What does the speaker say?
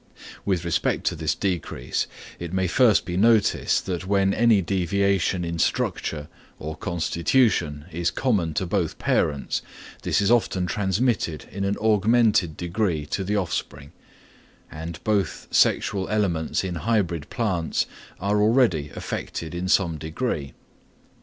With respect to this decrease, it may first be noticed that when any deviation in structure or constitution is common to both parents, this is often transmitted in an augmented degree to the offspring; and both sexual elements in hybrid plants are already affected in some degree.